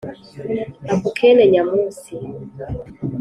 ako kene-nyamunsi